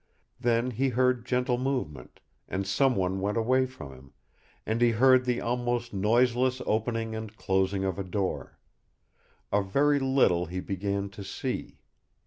Then he heard gentle movement, and some one went away from him, and he heard the almost noiseless opening and closing of a door. A very little he began to see.